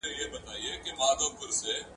تر کاڼي کله د بیزو کار وو ,